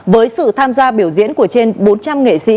với sự tham gia biểu diễn của trên bốn trăm linh nghệ sĩ